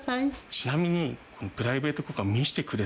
ちなみに。